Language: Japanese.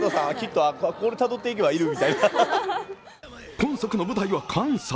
今作の舞台は関西。